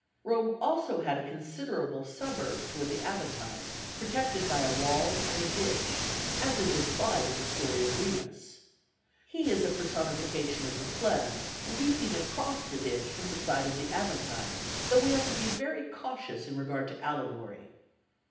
Rome also had a considerable suburb toward the Aventine, protected by a wall and a ditch, as is implied in the story of Remus. He is a personification of the plebs, leaping across the ditch from the side of the Aventine, though we ought to be very cautious in regard to allegory.